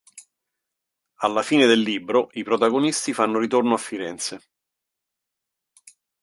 Alla fine del libro i protagonisti fanno ritorno a Firenze.